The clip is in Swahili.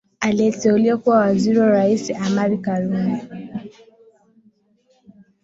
Aliteuliwa kuwa waziri na rais Amani Karume